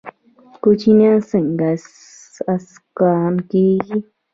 کوچیان څنګه اسکان کیږي؟